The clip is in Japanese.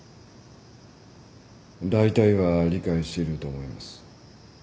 だいたいは理解していると思います。